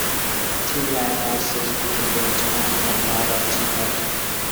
Two lighthouses have been built on Admiralty Head.